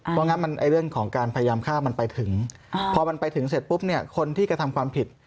เพราะงั้นเรื่องของการพยายามฆ่ามันไปถึงพอมันไปถึงเสร็จปุ๊บเนี่ยคนที่กระทำความผิด